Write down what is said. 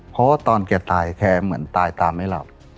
เพราะว่าตอนแกตายแกเหมือนตายตาไม่หลับ